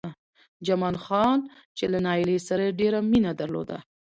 جمال خان چې له نايلې سره يې ډېره مينه درلوده